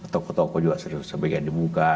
toko toko juga sebagian dibuka